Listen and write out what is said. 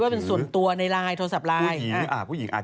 คิดว่าเป็นส่วนตัวในลายโทรศัพท์ลาย